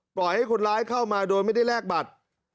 ปล่อยให้คนร้ายเข้ามาโดยไม่ได้แลกบัตร